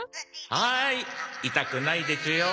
はーい痛くないでちゅよ。